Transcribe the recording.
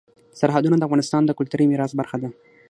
سرحدونه د افغانستان د کلتوري میراث برخه ده.